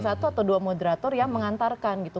satu atau dua moderator yang mengantarkan gitu